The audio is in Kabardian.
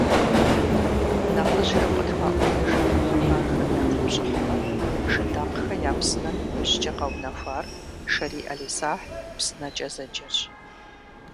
Нэхъыжьхэм къытхуаӏуэтэжа хъыбархэм ятепщӏыхьмэ, «Шыдакъхэ я псынэм» иужькӏэ къэунэхуар «Шэрий ӏэлисахь и псынэкӏэ» зэджэрщ.